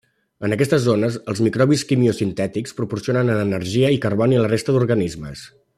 En aquestes zones, els microbis quimiosintètics proporcionen energia i carboni a la resta d'organismes.